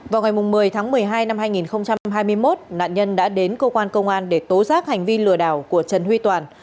vào ngày một mươi tháng một mươi hai năm hai nghìn hai mươi một nạn nhân đã đến cơ quan công an để tố giác hành vi lừa đảo của trần huy toàn